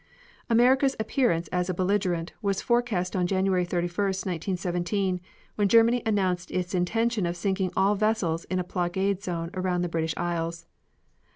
America's appearance as a belligerent was forecast on January 31, 1917, when Germany announced its intention of sinking all vessels in a blockade zone around the British Isles.